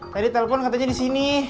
tadi telepon katanya di sini